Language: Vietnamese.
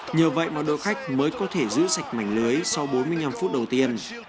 nhờ vậy mà đội khách mới có thể giữ sạch mảnh lưới sau bốn mươi năm phút đầu tiên